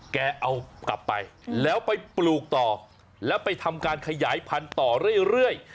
แกเอากลับไปแล้วไปปลูกต่อแล้วไปทำการขยายพันธุ์ต่อเรื่อย